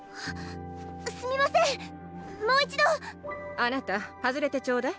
あなた外れてちょうだい。